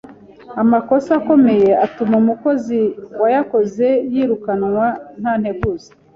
“amakosa akomeye atuma umukozi wayakoze yirukanwa nta nteguza